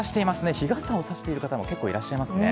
日傘を差している方も結構いらっしゃいますね。